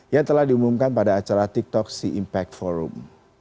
yang telah diumumkan pada acara tiktok sea impact forum